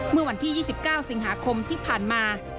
เมื่อวันที่๒๙สิงหาคมที่ผ่านมา